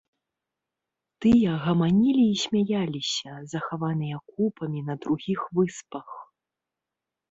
Тыя гаманілі і смяяліся, захаваныя купамі на другіх выспах.